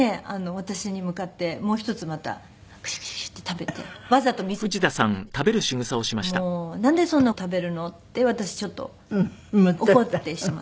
私に向かってもう一つまたムシャムシャムシャって食べてわざと見せて食べたから「もうなんでそんなの食べるの？」って私ちょっと怒ってしまった。